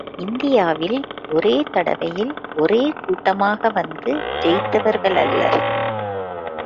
இந்தியாவில் ஒரே தடவையில் ஒரே கூட்டமாக வந்து ஜெயித்தவர்களல்லர்!